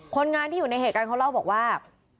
คนงานที่อยู่ในเหตุการณ์เขาเล่าบอกว่า